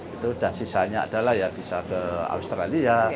itu dan sisanya adalah ya bisa ke australia